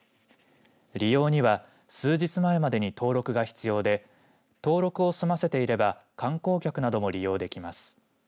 利用には数日前までに登録が必要で登録を済ませていれば観光客なども利用できます。